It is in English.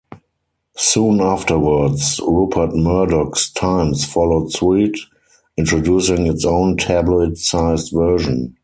Soon afterwards, Rupert Murdoch's "Times" followed suit, introducing its own tabloid-sized version.